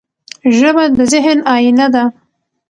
ژبه د ذهن آیینه ده.